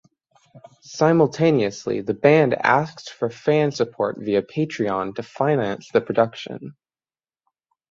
Simultaneously the band asked for fan support via Patreon to finance the production.